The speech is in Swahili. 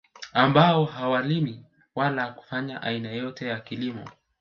Ambao hawalimi wala kufanya aina yeyote ya kilimo